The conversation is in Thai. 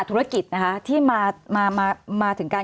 สวัสดีครับทุกคน